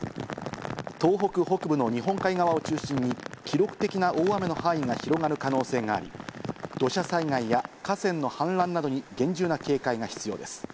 東北北部の日本海側を中心に記録的な大雨の範囲が広がる可能性があり、土砂災害や河川の氾濫などに厳重な警戒が必要です。